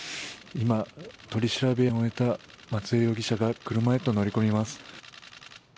今、取り調べを終えた松江容疑者が車へと乗り込みます。